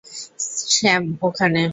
Sam, ওখানে!